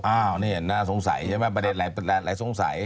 อ้าวเนี่ยระวังนะสงสัยใช่ไหมหลายสงสัย